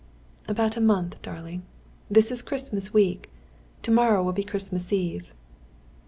"About a month, darling. This is Christmas week. To morrow will be Christmas Eve."